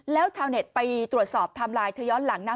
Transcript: แล้วชาวเน็ตไปตรวจสอบไทม์ไลน์เธอย้อนหลังนะ